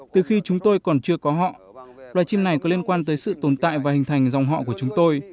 từ khi chúng tôi còn chưa có họ loài chim này có liên quan tới sự tồn tại và hình thành dòng họ của chúng tôi